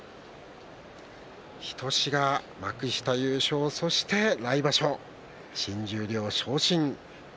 日翔志が幕下優勝、そして来場所新十両昇進。